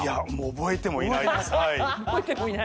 覚えてもいない！